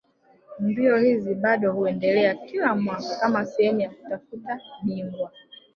Mbio hizi bado huendelea kila mwaka kama sehemu ya kutafuta bingwa